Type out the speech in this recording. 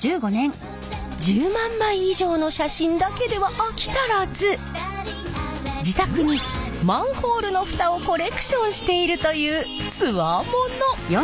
１０万枚以上の写真だけでは飽き足らず自宅にマンホールの蓋をコレクションしているというツワモノ！